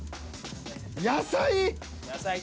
野菜。